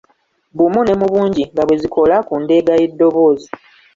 Bumu ne mu bungi nga bwe zikola ku ndeega y’eddoboozi.